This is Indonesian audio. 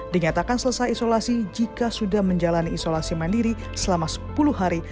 dinyatakan selesai isolasi jika sudah menjalani isolasi mandiri selama sepuluh hari